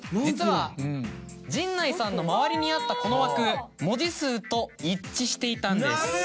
実は陣内さんの周りにあったこの枠文字数と一致していたんです。